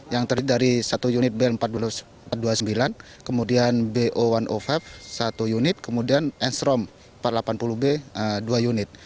yang terdiri dari satu unit bel empat ratus dua puluh sembilan kemudian bo satu lima satu unit kemudian enstrom empat ratus delapan puluh b dua unit